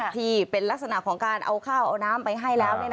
ที่เป็นลักษณะของการเอาข้าวเอาน้ำไปให้แล้ว